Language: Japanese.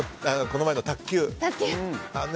この前の卓球。